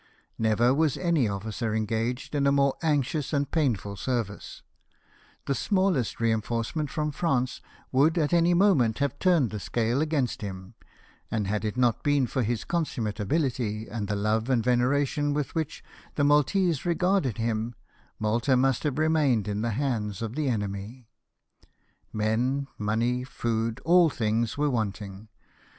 Never was any officer engaged in a more anxious and painful service ; the smallest reinforcement from France would, at any moment, have turned the scale against him ; and had it not been for his consummate abihty, and the love and veneration with which the Maltese regarded him, Malta must have remained in the hands of the enemy. Men, money, food — all things were wanting.